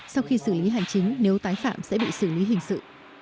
sau khi xử lý hành chính nếu tái phạm sẽ bị xử lý hình sự